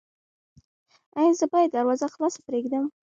ایا زه باید دروازه خلاصه پریږدم؟